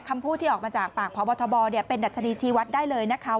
คำพูดที่ออกมาจากปากพบทบเป็นดัชนีชีวัตรได้เลยนะคะ